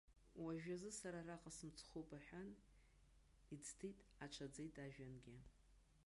Уажәазы сара араҟа смыцхәуп аҳәан, иӡыҭит, аҽаӡеит ажәҩангьы.